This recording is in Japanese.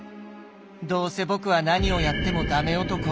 どうせ僕は何をやってもダメ男。